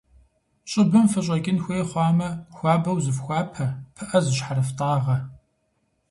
ЩӀыбым фыщӀэкӀын хуей хъуамэ, хуабэу зыфхуапэ, пыӏэ зыщхьэрыфтӏагъэ.